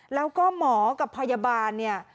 แล้วก็หมอกับพยาบาลเนี่ย